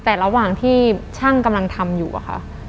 แต่ระหว่างที่ช่างกำลังทำอยู่อะค่ะ